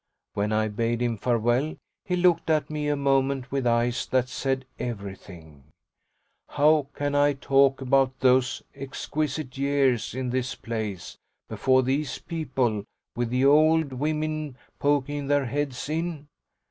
When I bade him farewell he looked at me a moment with eyes that said everything: "How can I talk about those exquisite years in this place, before these people, with the old women poking their heads in?